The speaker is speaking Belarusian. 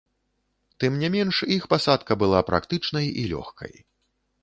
Тым не менш, іх пасадка была практычнай і лёгкай.